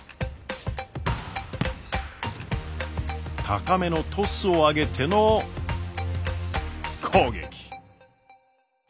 高めのトスを上げての攻撃。